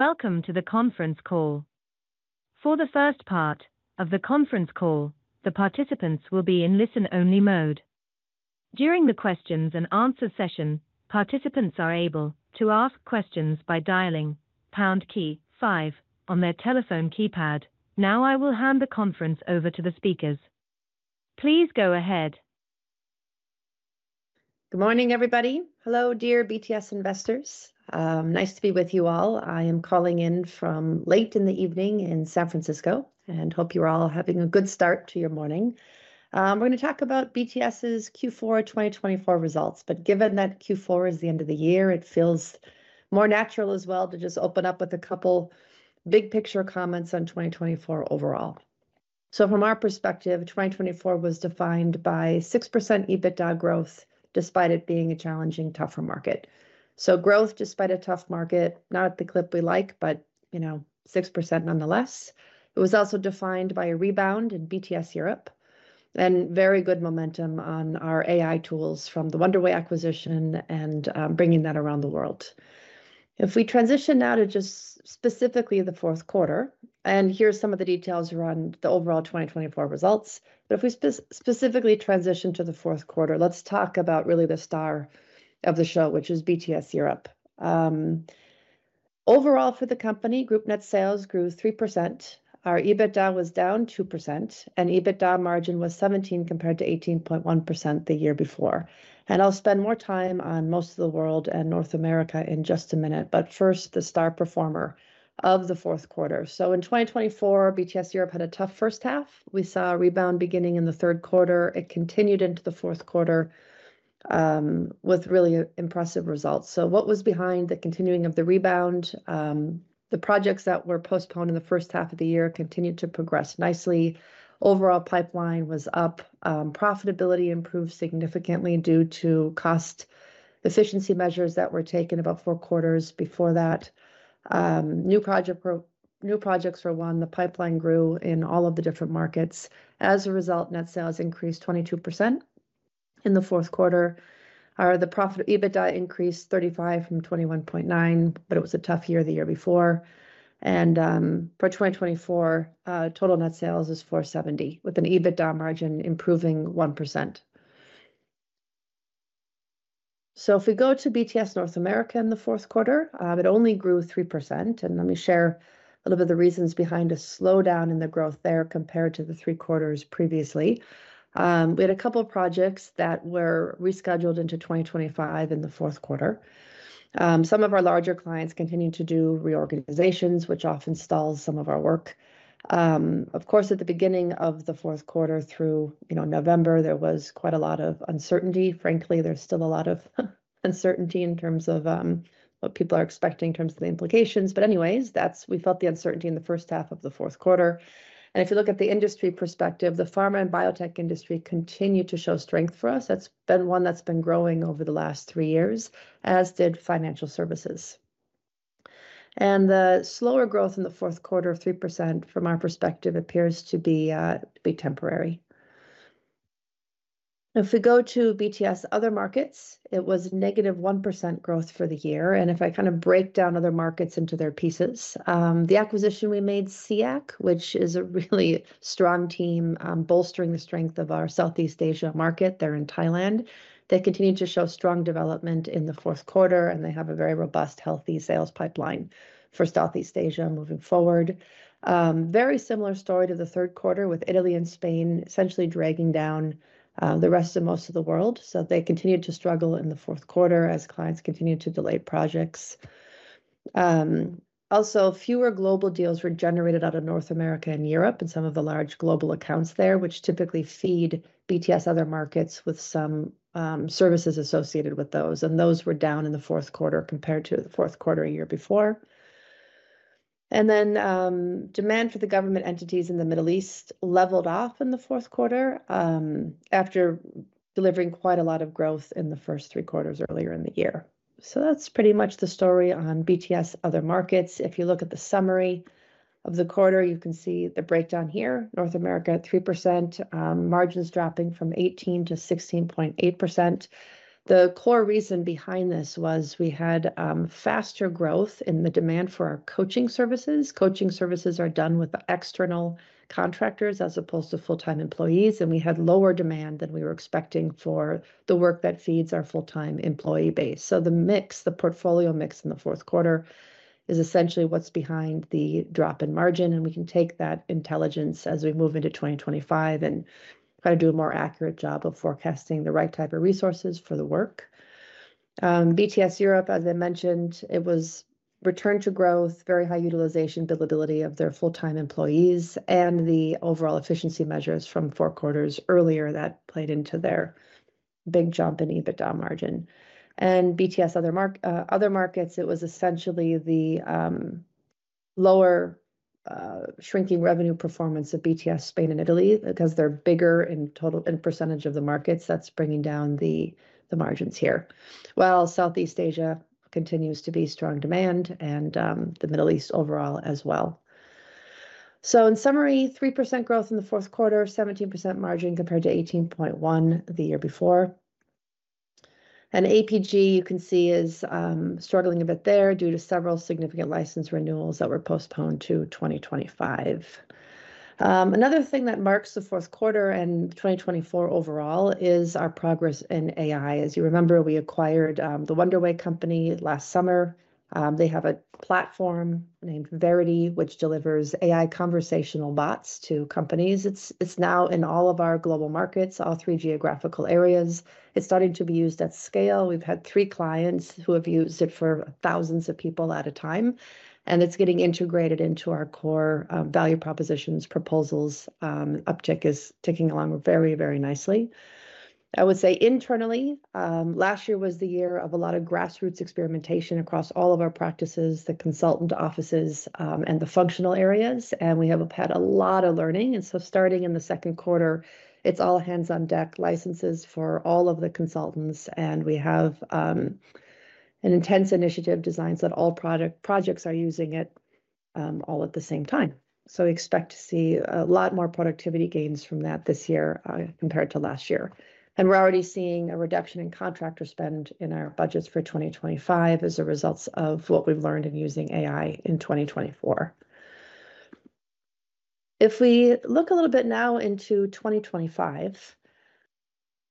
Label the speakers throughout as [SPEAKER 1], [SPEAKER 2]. [SPEAKER 1] Welcome to the conference call. For the first part of the conference call, the participants will be in listen-only mode. During the questions and answer session, participants are able to ask questions by dialing #5 on their telephone keypad. Now I will hand the conference over to the speakers. Please go ahead.
[SPEAKER 2] Good morning, everybody. Hello, dear BTS investors. Nice to be with you all. I am calling in from late in the evening in San Francisco, and hope you're all having a good start to your morning. We're going to talk about BTS' Q4 2024 results, but given that Q4 is the end of the year, it feels more natural as well to just open up with a couple of big-picture comments on 2024 overall. So from our perspective, 2024 was defined by 6% EBITDA growth despite it being a challenging, tougher market. So growth despite a tough market, not at the clip we like, but you know, 6% nonetheless. It was also defined by a rebound in BTS Europe and very good momentum on our AI tools from the Wonderway acquisition and bringing that around the world. If we transition now to just specifically the fourth quarter, and here's some of the details around the overall 2024 results. But if we specifically transition to the fourth quarter, let's talk about really the star of the show, which is BTS Europe. Overall, for the company, group net sales grew 3%. Our EBITDA was down 2%, and EBITDA margin was 17% compared to 18.1% the year before. And I'll spend more time on most of the world and North America in just a minute, but first, the star performer of the fourth quarter. So in 2024, BTS Europe had a tough first half. We saw a rebound beginning in the third quarter. It continued into the fourth quarter with really impressive results. So what was behind the continuing of the rebound? The projects that were postponed in the first half of the year continued to progress nicely. Overall pipeline was up. Profitability improved significantly due to cost efficiency measures that were taken about four quarters before that. New projects were won. The pipeline grew in all of the different markets. As a result, net sales increased 22% in the fourth quarter. The profit EBITDA increased 35% from 21.9%, but it was a tough year, the year before, and for 2024, total net sales is 470, with an EBITDA margin improving 1%, so if we go to BTS North America in the fourth quarter, it only grew 3%, and let me share a little bit of the reasons behind a slowdown in the growth there compared to the three quarters previously. We had a couple of projects that were rescheduled into 2025 in the fourth quarter. Some of our larger clients continued to do reorganizations, which often stalls some of our work. Of course, at the beginning of the fourth quarter through, you know, November, there was quite a lot of uncertainty. Frankly, there's still a lot of uncertainty in terms of what people are expecting in terms of the implications. But anyways, that's where we felt the uncertainty in the first half of the fourth quarter. And if you look at the industry perspective, the pharma and biotech industry continued to show strength for us. That's been one that's been growing over the last three years, as did financial services. And the slower growth in the fourth quarter of 3%, from our perspective, appears to be temporary. If we go to BTS Other Markets, it was negative 1% growth for the year. And if I kind of break down Other Markets into their pieces, the acquisition we made, SEAC, which is a really strong team bolstering the strength of our Southeast Asia market, they're in Thailand. They continue to show strong development in the fourth quarter, and they have a very robust, healthy sales pipeline for Southeast Asia moving forward. Very similar story to the third quarter with Italy and Spain essentially dragging down the rest of most of the world. So they continued to struggle in the fourth quarter as clients continued to delay projects. Also, fewer global deals were generated out of North America and Europe and some of the large global accounts there, which typically feed BTS Other Markets with some services associated with those. And those were down in the fourth quarter compared to the fourth quarter a year before. And then demand for the government entities in the Middle East leveled off in the fourth quarter after delivering quite a lot of growth in the first three quarters earlier in the year. So that's pretty much the story on BTS Other Markets. If you look at the summary of the quarter, you can see the breakdown here. North America at 3%, margins dropping from 18% to 16.8%. The core reason behind this was we had faster growth in the demand for our coaching services. Coaching services are done with the external contractors as opposed to full-time employees, and we had lower demand than we were expecting for the work that feeds our full-time employee base. So the mix, the portfolio mix in the fourth quarter is essentially what's behind the drop in margin, and we can take that intelligence as we move into 2025 and kind of do a more accurate job of forecasting the right type of resources for the work. BTS Europe, as I mentioned, it was return to growth, very high utilization, billability of their full-time employees, and the overall efficiency measures from four quarters earlier that played into their big jump in EBITDA margin. And BTS Other Markets, it was essentially the lower shrinking revenue performance of BTS Spain and Italy because they're bigger in total in percentage of the markets. That's bringing down the margins here. While Southeast Asia continues to be strong demand and the Middle East overall as well. So in summary, 3% growth in the fourth quarter, 17% margin compared to 18.1% the year before. APG, you can see, is struggling a bit there due to several significant license renewals that were postponed to 2025. Another thing that marks the fourth quarter and 2024 overall is our progress in AI. As you remember, we acquired the Wonderway company last summer. They have a platform named Verity, which delivers AI conversational bots to companies. It's now in all of our global markets, all three geographical areas. It's starting to be used at scale. We've had three clients who have used it for thousands of people at a time, and it's getting integrated into our core value propositions. Proposals uptick is ticking along very, very nicely. I would say internally, last year was the year of a lot of grassroots experimentation across all of our practices, the consultant offices, and the functional areas. And we have had a lot of learning. And so starting in the second quarter, it's all hands on deck licenses for all of the consultants. And we have an intense initiative design so that all projects are using it all at the same time. So we expect to see a lot more productivity gains from that this year compared to last year. And we're already seeing a reduction in contractor spend in our budgets for 2025 as a result of what we've learned in using AI in 2024. If we look a little bit now into 2025,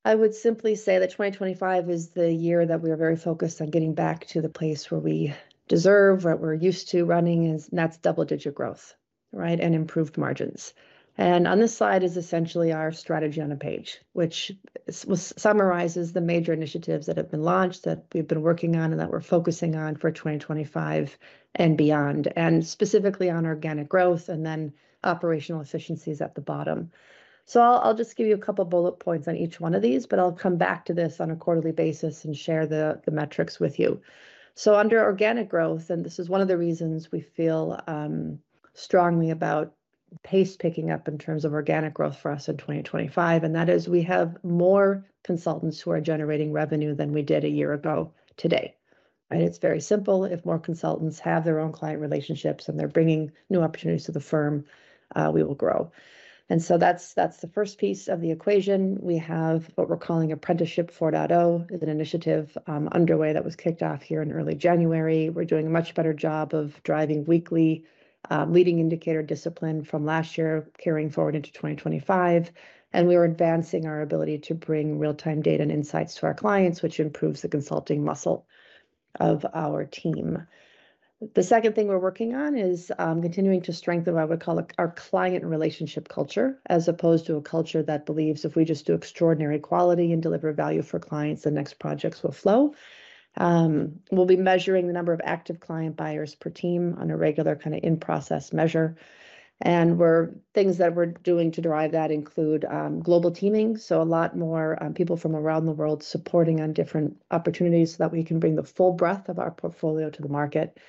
[SPEAKER 2] I would simply say that 2025 is the year that we are very focused on getting back to the place where we deserve, what we're used to running, and that's double-digit growth, right, and improved margins. On this slide is essentially our strategy on a page, which summarizes the major initiatives that have been launched that we've been working on and that we're focusing on for 2025 and beyond, and specifically on organic growth and then operational efficiencies at the bottom. I'll just give you a couple of bullet points on each one of these, but I'll come back to this on a quarterly basis and share the metrics with you. Under organic growth, and this is one of the reasons we feel strongly about pace picking up in terms of organic growth for us in 2025, and that is we have more consultants who are generating revenue than we did a year ago today. It's very simple. If more consultants have their own client relationships and they're bringing new opportunities to the firm, we will grow. And so that's the first piece of the equation. We have what we're calling Apprenticeship 4.0, an initiative underway that was kicked off here in early January. We're doing a much better job of driving weekly leading indicator discipline from last year carrying forward into 2025. And we are advancing our ability to bring real-time data and insights to our clients, which improves the consulting muscle of our team. The second thing we're working on is continuing to strengthen what I would call our client relationship culture as opposed to a culture that believes if we just do extraordinary quality and deliver value for clients, the next projects will flow. We'll be measuring the number of active client buyers per team on a regular kind of in-process measure. Things that we're doing to drive that include global teaming, so a lot more people from around the world supporting on different opportunities so that we can bring the full breadth of our portfolio to the market.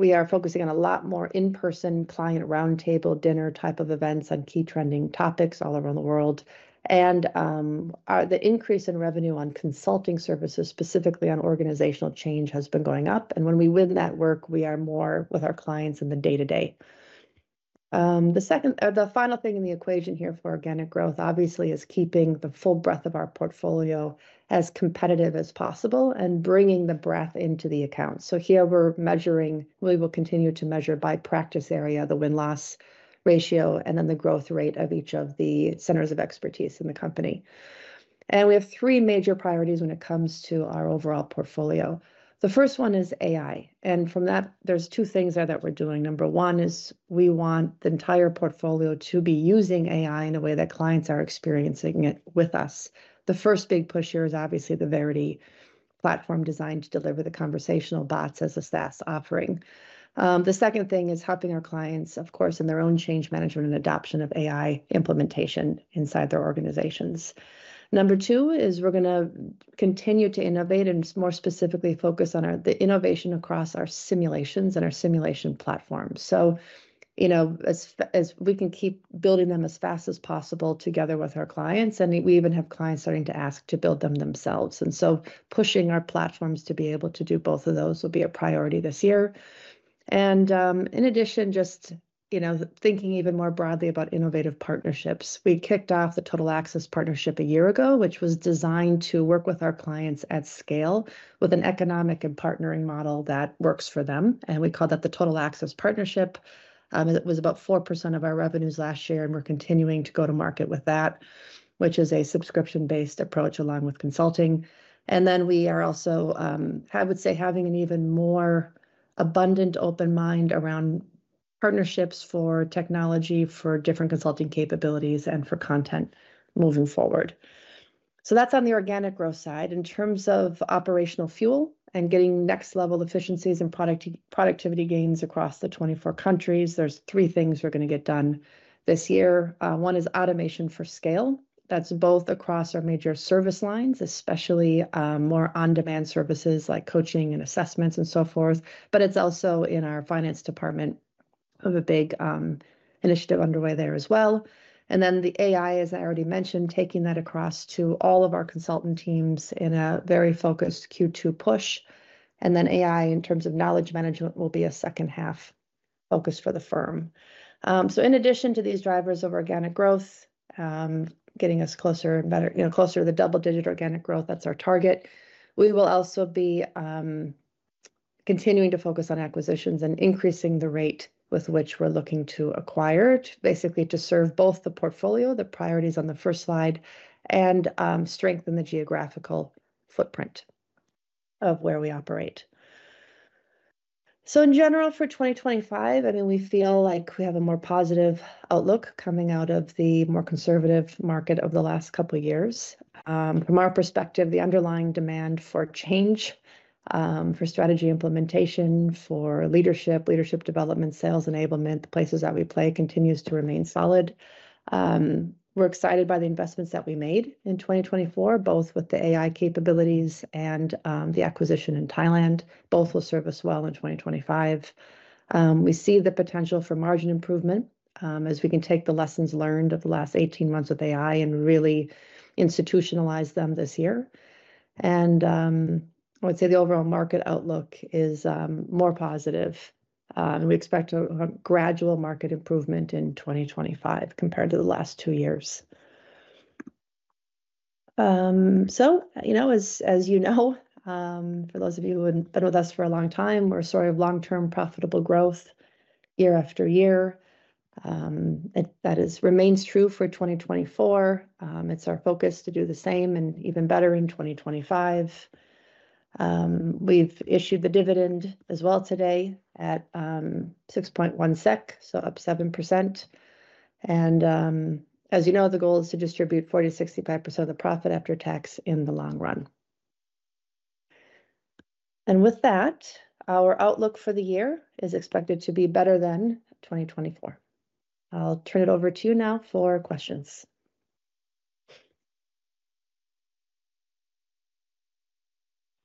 [SPEAKER 2] We are focusing on a lot more in-person client roundtable dinner type of events on key trending topics all around the world. The increase in revenue on consulting services, specifically on organizational change, has been going up. When we win that work, we are more with our clients in the day-to-day. The final thing in the equation here for organic growth, obviously, is keeping the full breadth of our portfolio as competitive as possible and bringing the breadth into the accounts. So here we're measuring, we will continue to measure by practice area, the win-loss ratio, and then the growth rate of each of the centers of expertise in the company. And we have three major priorities when it comes to our overall portfolio. The first one is AI. And from that, there's two things there that we're doing. Number one is we want the entire portfolio to be using AI in a way that clients are experiencing it with us. The first big push here is obviously the Verity platform designed to deliver the conversational bots as a SaaS offering. The second thing is helping our clients, of course, in their own change management and adoption of AI implementation inside their organizations. Number two is we're going to continue to innovate and more specifically focus on the innovation across our simulations and our simulation platforms. You know, as we can keep building them as fast as possible together with our clients. We even have clients starting to ask to build them themselves. So pushing our platforms to be able to do both of those will be a priority this year. In addition, just, you know, thinking even more broadly about innovative partnerships, we kicked off the Total Access Partnership a year ago, which was designed to work with our clients at scale with an economic and partnering model that works for them. We call that the Total Access Partnership. It was about 4% of our revenues last year, and we're continuing to go to market with that, which is a subscription-based approach along with consulting. And then we are also, I would say, having an even more abundant open mind around partnerships for technology, for different consulting capabilities, and for content moving forward. So that's on the organic growth side. In terms of operational fuel and getting next-level efficiencies and productivity gains across the 24 countries, there's three things we're going to get done this year. One is automation for scale. That's both across our major service lines, especially more on-demand services like coaching and assessments and so forth. But it's also in our finance department of a big initiative underway there as well. And then the AI, as I already mentioned, taking that across to all of our consultant teams in a very focused Q2 push. And then AI in terms of knowledge management will be a second-half focus for the firm. So in addition to these drivers of organic growth, getting us closer and better, you know, closer to the double-digit organic growth, that's our target. We will also be continuing to focus on acquisitions and increasing the rate with which we're looking to acquire, basically to serve both the portfolio, the priorities on the first slide, and strengthen the geographical footprint of where we operate. So in general for 2025, I mean, we feel like we have a more positive outlook coming out of the more conservative market of the last couple of years. From our perspective, the underlying demand for change, for strategy implementation, for leadership, leadership development, sales enablement, the places that we play continues to remain solid. We're excited by the investments that we made in 2024, both with the AI capabilities and the acquisition in Thailand. Both will serve us well in 2025. We see the potential for margin improvement as we can take the lessons learned of the last 18 months with AI and really institutionalize them this year. I would say the overall market outlook is more positive. We expect a gradual market improvement in 2025 compared to the last two years. As you know, for those of you who have been with us for a long time, we're sort of long-term profitable growth year after year. That remains true for 2024. It's our focus to do the same and even better in 2025. We've issued the dividend as well today at 6.10 SEK, so up 7%, and as you know, the goal is to distribute 40%-65% of the profit after tax in the long run, and with that, our outlook for the year is expected to be better than 2024. I'll turn it over to you now for questions.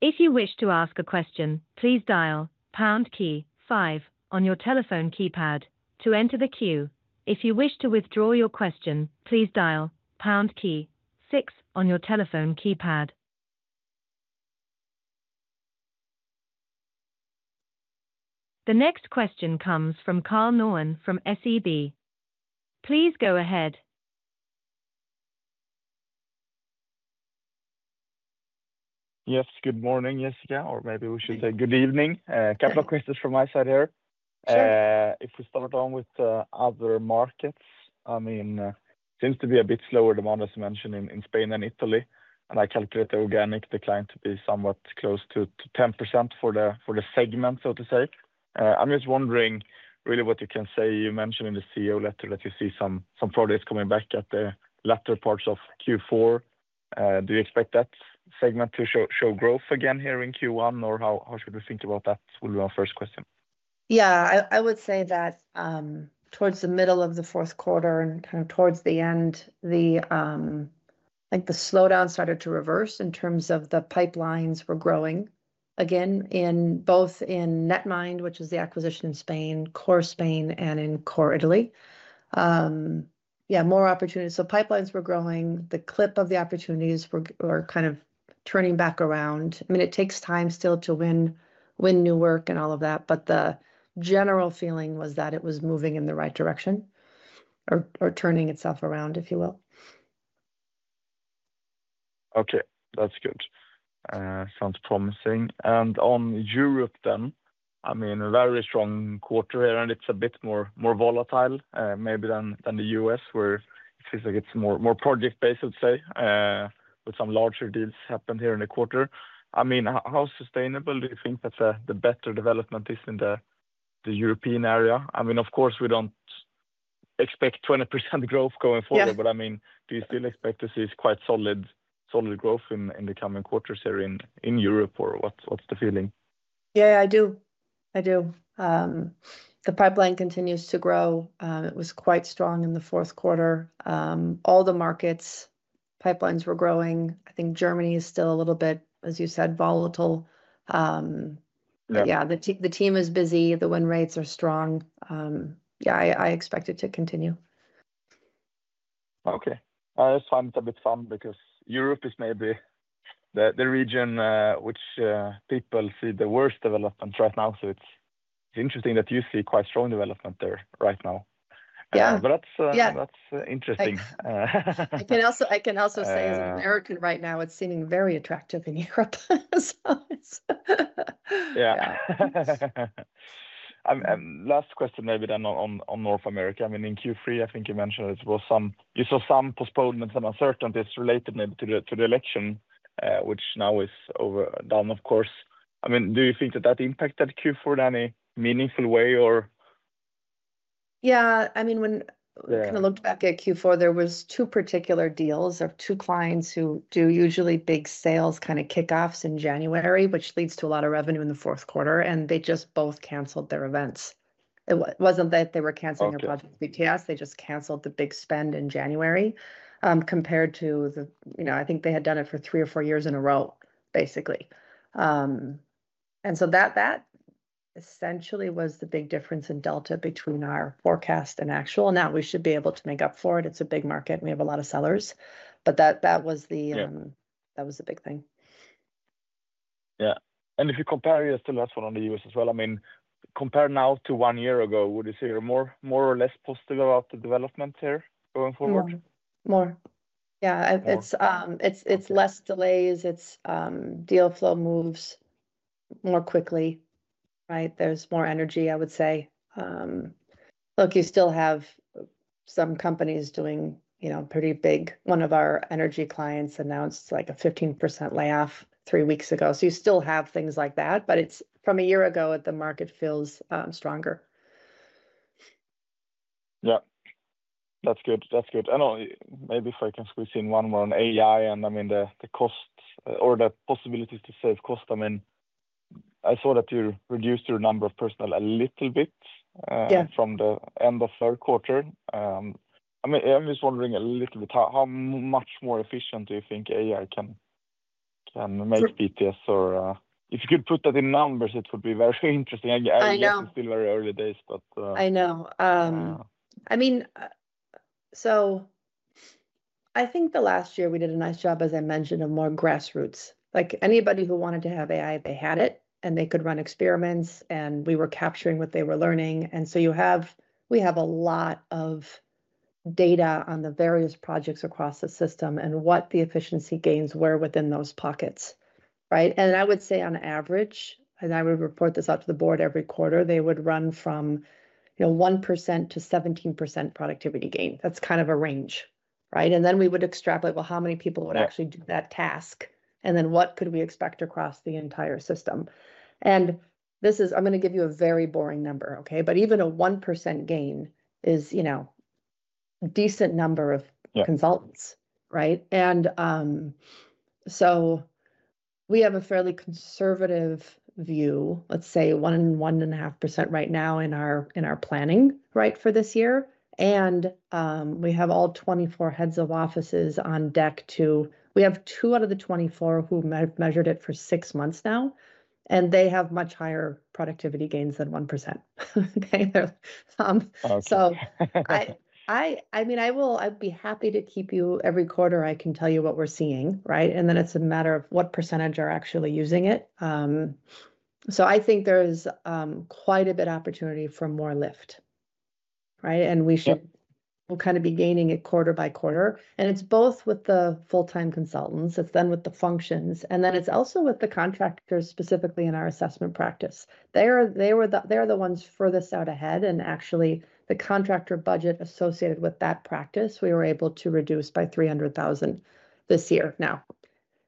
[SPEAKER 1] If you wish to ask a question, please dial pound key five on your telephone keypad to enter the queue. If you wish to withdraw your question, please dial pound key six on your telephone keypad. The next question comes from Karl Norén from SEB. Please go ahead.
[SPEAKER 3] Yes, good morning. Yes, yeah, or maybe we should say good evening. A couple of questions from my side here. If we start on with Other Markets, I mean, it seems to be a bit slower demand, as I mentioned, in Spain and Italy. And I calculate the organic decline to be somewhat close to 10% for the segment, so to say. I'm just wondering really what you can say. You mentioned in the CEO letter that you see some projects coming back at the latter parts of Q4. Do you expect that segment to show growth again here in Q1, or how should we think about that? Will be my first question.
[SPEAKER 2] Yeah, I would say that towards the middle of the fourth quarter and kind of towards the end, I think the slowdown started to reverse in terms of the pipelines were growing again, both in Netmind, which is the acquisition in Spain, Core Spain, and in Core Italy. Yeah, more opportunities. So pipelines were growing. The clip of the opportunities were kind of turning back around. I mean, it takes time still to win new work and all of that, but the general feeling was that it was moving in the right direction or turning itself around, if you will.
[SPEAKER 3] Okay, that's good. Sounds promising. And on Europe then, I mean, a very strong quarter here, and it's a bit more volatile, maybe than the U.S., where it feels like it's more project-based, I would say, with some larger deals happened here in the quarter. I mean, how sustainable do you think that the better development is in the European area? I mean, of course, we don't expect 20% growth going forward, but I mean, do you still expect to see quite solid growth in the coming quarters here in Europe, or what's the feeling?
[SPEAKER 2] Yeah, I do. I do. The pipeline continues to grow. It was quite strong in the fourth quarter. All the markets' pipelines were growing. I think Germany is still a little bit, as you said, volatile. Yeah, the team is busy. The win rates are strong. Yeah, I expect it to continue.
[SPEAKER 3] Okay. That's fun. It's a bit fun because Europe is maybe the region which people see the worst development right now. So it's interesting that you see quite strong development there right now. But that's interesting.
[SPEAKER 2] I can also say as an American right now, it's seeming very attractive in Europe.
[SPEAKER 3] Yeah. Last question maybe then on North America. I mean, in Q3, I think you mentioned you saw some postponements and uncertainties related maybe to the election, which now is over, done, of course. I mean, do you think that impacted Q4 in any meaningful way, or?
[SPEAKER 2] Yeah, I mean, when we kind of looked back at Q4, there were two particular deals of two clients who do usually big sales kind of kickoffs in January, which leads to a lot of revenue in the fourth quarter, and they just both canceled their events. It wasn't that they were canceling their project BTS. They just canceled the big spend in January compared to the, you know, I think they had done it for three or four years in a row, basically. And so that essentially was the big difference in delta between our forecast and actual, and now we should be able to make up for it. It's a big market. We have a lot of sellers, but that was the big thing.
[SPEAKER 3] Yeah. And if you compare yesterday's one on the U.S. as well, I mean, compare now to one year ago, would you say you're more or less positive about the development here going forward?
[SPEAKER 2] More. Yeah. It's less delays. It's deal flow moves more quickly, right? There's more energy, I would say. Look, you still have some companies doing pretty big. One of our energy clients announced like a 15% layoff three weeks ago. So you still have things like that, but it's from a year ago that the market feels stronger.
[SPEAKER 3] Yeah. That's good. That's good. And maybe if I can squeeze in one more on AI and I mean, the costs or the possibilities to save costs. I mean, I saw that you reduced your number of personnel a little bit from the end of third quarter. I mean, I'm just wondering a little bit how much more efficient do you think AI can make BTS or if you could put that in numbers, it would be very interesting.
[SPEAKER 2] I know.
[SPEAKER 3] It's still very early days, but.
[SPEAKER 2] I know. I mean, so I think the last year we did a nice job, as I mentioned, of more grassroots. Like anybody who wanted to have AI, they had it, and they could run experiments, and we were capturing what they were learning. And so we have a lot of data on the various projects across the system and what the efficiency gains were within those pockets, right? And I would say on average, and I would report this out to the board every quarter, they would run from 1%-17% productivity gain. That's kind of a range, right? And then we would extrapolate, well, how many people would actually do that task? And then what could we expect across the entire system? I'm going to give you a very boring number, okay? But even a 1% gain is, you know, a decent number of consultants, right? And so we have a fairly conservative view, let's say 1%-1.5% right now in our planning, right, for this year. And we have all 24 heads of offices on deck to, we have two out of the 24 who have measured it for six months now, and they have much higher productivity gains than 1%. Okay? So I mean, I will, I'd be happy to keep you every quarter. I can tell you what we're seeing, right? And then it's a matter of what percentage are actually using it. So I think there's quite a bit of opportunity for more lift, right? And we should kind of be gaining it quarter by quarter. And it's both with the full-time consultants. It's then with the functions. And then it's also with the contractors specifically in our assessment practice. They are the ones furthest out ahead. And actually, the contractor budget associated with that practice, we were able to reduce by 300,000 this year. Now,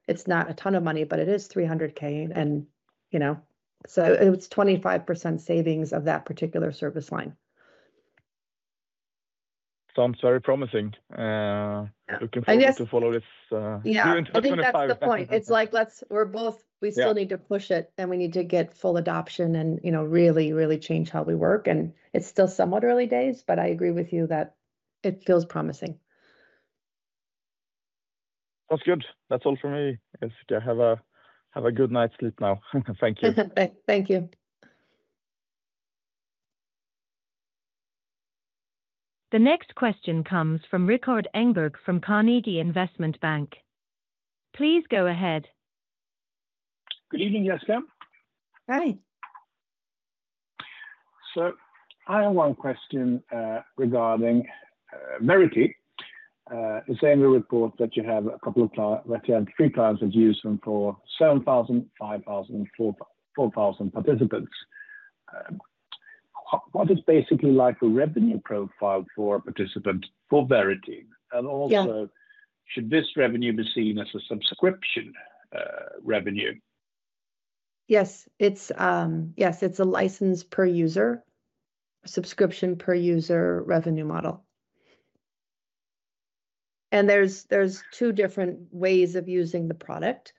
[SPEAKER 2] it's not a ton of money, but it is 300,000. And, you know, so it's 25% savings of that particular service line.
[SPEAKER 3] Sounds very promising. Looking forward to follow this on 2025.
[SPEAKER 2] That's the point. It's like we're both, we still need to push it, and we need to get full adoption and, you know, really, really change how we work. And it's still somewhat early days, but I agree with you that it feels promising.
[SPEAKER 3] Sounds good. That's all for me. I think I have a good night's sleep now. Thank you.
[SPEAKER 2] Thank you.
[SPEAKER 1] The next question comes from Rikard Engberg from Carnegie Investment Bank. Please go ahead.
[SPEAKER 4] Good evening, Jessica. I have one question regarding Verity. You say in the report that you have a couple of, that you have three plans that use them for 7,000, 5,000, 4,000 participants. What is basically like the revenue profile for participants for Verity? And also, should this revenue be seen as a subscription revenue?
[SPEAKER 2] Yes. Yes, it's a license per user, subscription per user revenue model. And there's two different ways of using the product.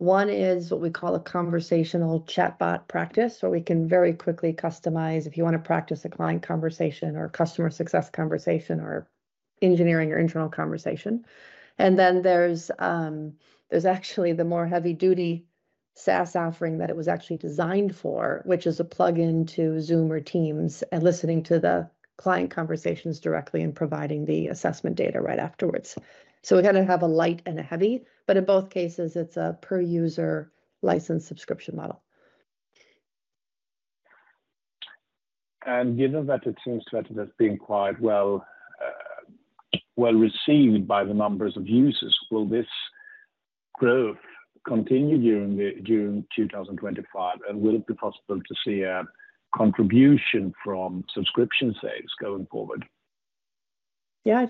[SPEAKER 2] One is what we call a conversational chatbot practice, where we can very quickly customize if you want to practice a client conversation or a customer success conversation or engineering or internal conversation. And then there's actually the more heavy-duty SaaS offering that it was actually designed for, which is a plug-in to Zoom or Teams and listening to the client conversations directly and providing the assessment data right afterwards. We kind of have a light and a heavy, but in both cases, it's a per-user license subscription model.
[SPEAKER 4] Given that it seems that it has been quite well received by the numbers of users, will this growth continue during 2025? And will it be possible to see a contribution from subscription sales going forward?
[SPEAKER 2] Yeah,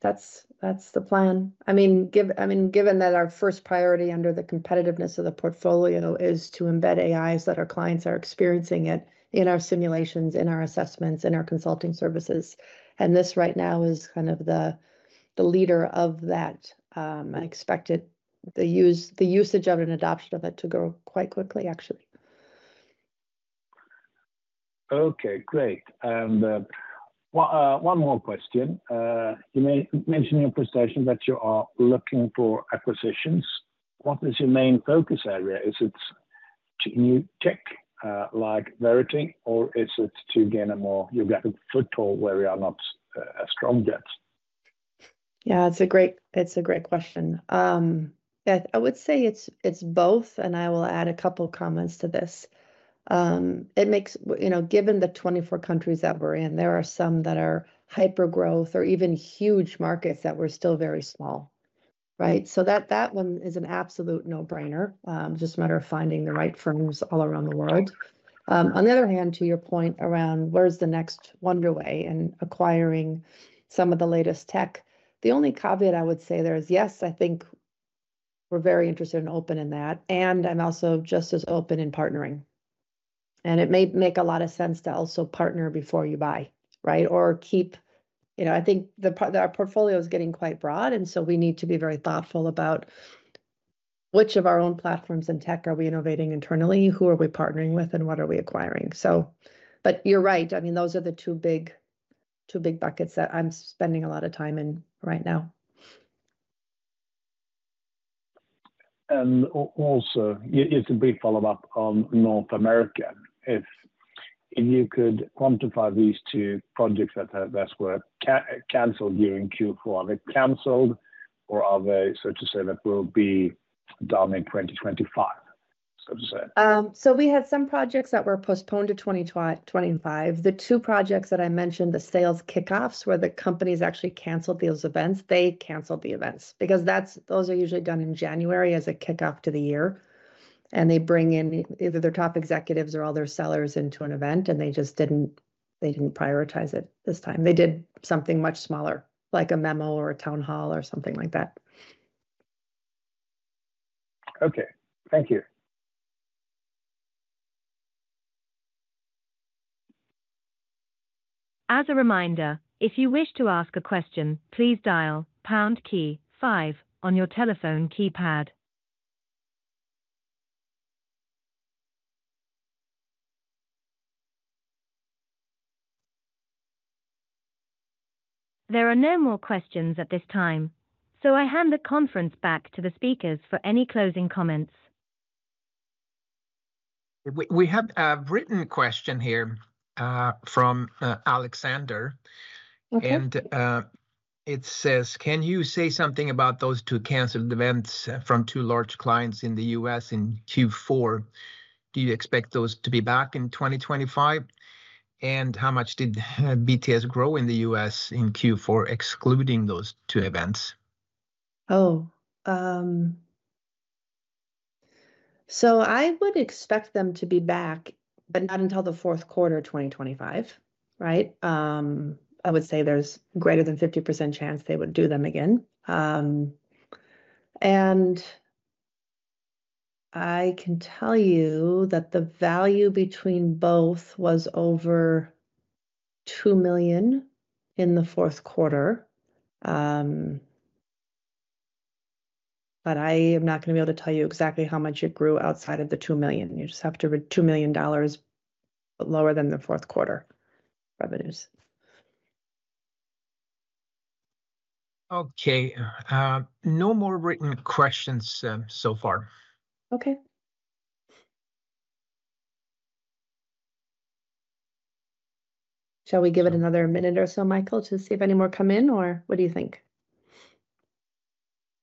[SPEAKER 2] that's the plan. I mean, given that our first priority under the competitiveness of the portfolio is to embed AIs that our clients are experiencing in our simulations, in our assessments, in our consulting services. And this right now is kind of the leader of that. I expected the usage of it and adoption of it to grow quite quickly, actually.
[SPEAKER 4] Okay, great. And one more question. You mentioned in your presentation that you are looking for acquisitions. What is your main focus area? Is it to new tech like Verity, or is it to gain a more geographic foothold where we are not as strong yet?
[SPEAKER 2] Yeah, it's a great question. I would say it's both, and I will add a couple of comments to this. Given the 24 countries that we're in, there are some that are hyper-growth or even huge markets that we're still very small, right? So that one is an absolute no-brainer. It's just a matter of finding the right firms all around the world. On the other hand, to your point around where's the next Wonderway in acquiring some of the latest tech, the only caveat I would say there is, yes, I think we're very interested and open in that. And I'm also just as open in partnering. And it may make a lot of sense to also partner before you buy, right? I think our portfolio is getting quite broad, and so we need to be very thoughtful about which of our own platforms and tech are we innovating internally, who are we partnering with, and what are we acquiring. But you're right. I mean, those are the two big buckets that I'm spending a lot of time in right now.
[SPEAKER 4] And also, just a brief follow-up on North America. If you could quantify these two projects that were canceled during Q4, are they canceled or are they, so to say, that will be done in 2025, so to say?
[SPEAKER 2] So we had some projects that were postponed to 2025. The two projects that I mentioned, the sales kickoffs where the companies actually canceled those events, they canceled the events because those are usually done in January as a kickoff to the year. They bring in either their top executives or all their sellers into an event, and they just didn't prioritize it this time. They did something much smaller, like a memo or a town hall or something like that.
[SPEAKER 4] Okay. Thank you.
[SPEAKER 1] As a reminder, if you wish to ask a question, please dial pound key five on your telephone keypad. There are no more questions at this time, so I hand the conference back to the speakers for any closing comments.
[SPEAKER 2] We have a written question here from Alexander. And it says, "Can you say something about those two canceled events from two large clients in the U.S. in Q4? Do you expect those to be back in 2025? And how much did BTS grow in the U.S. in Q4, excluding those two events?" So I would expect them to be back, but not until the fourth quarter of 2025, right? I would say there's greater than 50% chance they would do them again. And I can tell you that the value between both was over $2 million in the fourth quarter. But I am not going to be able to tell you exactly how much it grew outside of the $2 million. You just have to read $2 million lower than the fourth quarter revenues. Okay. No more written questions so far. Okay. Shall we give it another minute or so, Michael, to see if any more come in, or what do you think?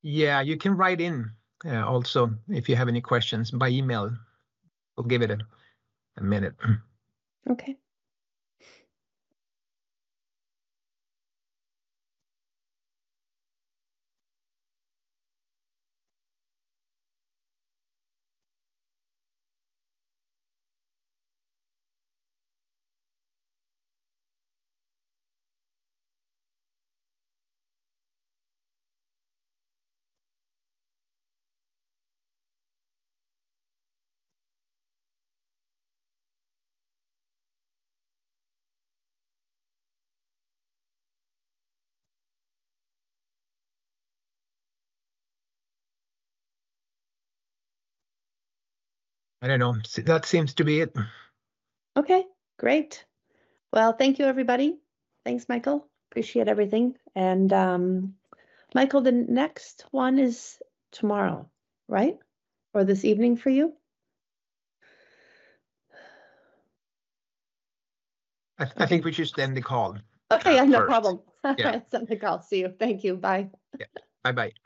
[SPEAKER 2] Yeah, you can write in also if you have any questions by email. We'll give it a minute. Okay. I don't know. That seems to be it. Okay. Great. Well, thank you, everybody. Thanks, Michael. Appreciate everything. Michael, the next one is tomorrow, right? Or this evening for you? I think we just end the call. Okay. No problem. End the call. See you. Thank you. Bye. Yeah. Bye-bye.